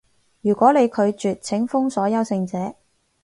如果你拒絕，請封鎖優勝者